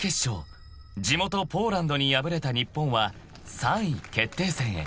地元ポーランドに敗れた日本は３位決定戦へ］